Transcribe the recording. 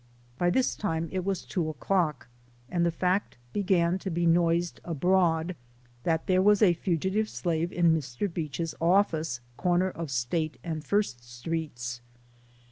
By this time it was two o'clock, and the fact be gan to be noised abroad that there was a fugitive slave in Mr. Beach's office, corner of State and First Streets.